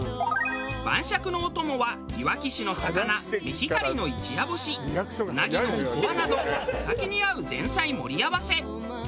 晩酌のお供はいわき市の魚メヒカリの一夜干し鰻のおこわなどお酒に合う前菜盛り合わせ。